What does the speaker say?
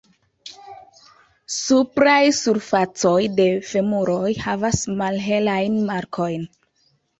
Supraj surfacoj de femuroj havas malhelajn markojn.